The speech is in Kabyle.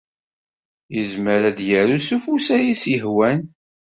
Yezmer ad yaru s ufus ay as-yehwan.